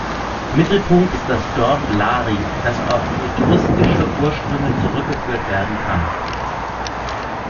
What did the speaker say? Mittelpunkt ist das Dorf Lari, das auf etruskische Ursprünge zurückgeführt werden kann.